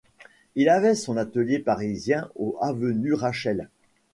Il avait son atelier parisien au avenue Rachel.